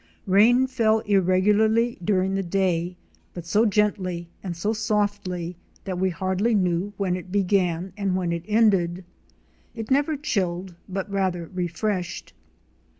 Rain fell irregularly during the day, but so gently and so softly that we hardly knew when it began and when it ended. It never chilled but rather refreshed.